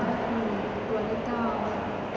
ตัวจาน๙ค่ะ